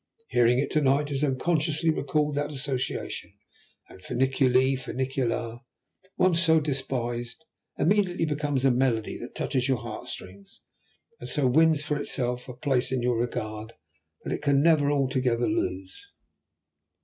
Hearing it to night has unconsciously recalled that association, and Finiculi Finicula, once so despised, immediately becomes a melody that touches your heart strings, and so wins for itself a place in your regard that it can never altogether lose."